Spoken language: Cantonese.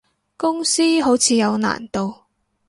公司好似有難度